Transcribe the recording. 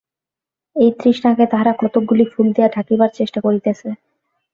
এই তৃষ্ণাকে তাহারা কতকগুলি ফুল দিয়া ঢাকিবার চেষ্টা করিতেছে।